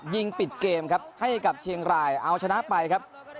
ยิงปิดเกมครับให้กับเชียงรายเอาชนะไปครับ